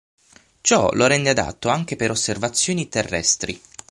Ciò lo rende adatto anche per osservazioni terrestri.